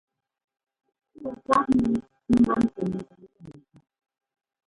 Pɔ̂ɔ pɔ́pnɛ ḿbó ńtɛ́mtɛ ngɛ mɛgaa.